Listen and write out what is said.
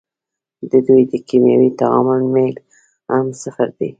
د دوی د کیمیاوي تعامل میل هم صفر دی.